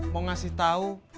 mau ngasih tahu